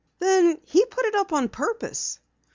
"Then he put it up on purpose?"